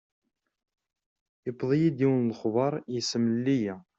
Yewweḍ-iyi-d yiwen n lexbar, yessemlelli-yi.